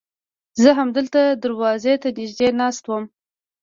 زه همدلته دروازې ته نږدې ناست وم.